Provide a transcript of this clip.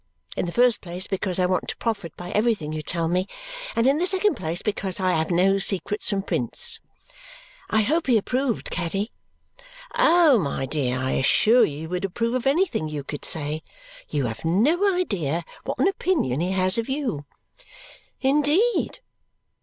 In the first place because I want to profit by everything you tell me, and in the second place because I have no secrets from Prince." "I hope he approved, Caddy?" "Oh, my dear! I assure you he would approve of anything you could say. You have no idea what an opinion he has of you!" "Indeed!"